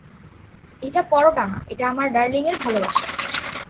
এটা পরোটা না, এটা আমার ডার্লিং এর ভালবাসা।